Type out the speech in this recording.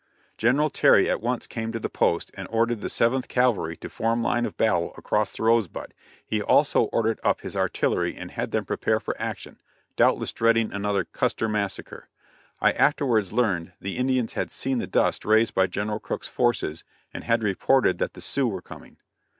General Terry at once came to the post, and ordered the Seventh Cavalry to form line of battle across the Rosebud; he also ordered up his artillery and had them prepare for action, doubtless dreading another "Custer massacre." I afterwards learned the Indians had seen the dust raised by General Crook's forces, and had reported that the Sioux were coming.